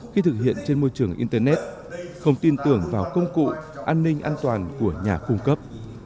khi thực hiện trên môi trường internet không tin tưởng vào công cụ an ninh an toàn của nhà cung cấp